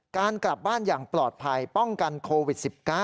การกลับบ้านอย่างปลอดภัยป้องกันโควิด๑๙